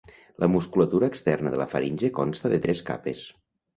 La musculatura externa de la faringe consta de tres capes.